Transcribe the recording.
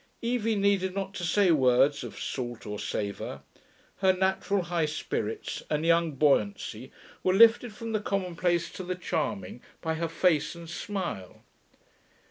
Evie needed not to say words of salt or savour; her natural high spirits and young buoyancy were lifted from the commonplace to the charming by her face and smile.